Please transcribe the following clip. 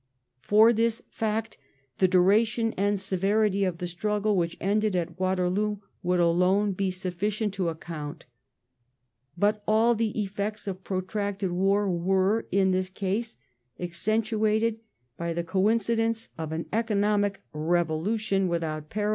For this fact the duration and severity of the struggle which ended at Waterloo would alone be sufficient to account. But all the effects of protracted war were, in this case, accentuated by the coincidence of an economic revolution without parallel or precedent in magnitude and scope.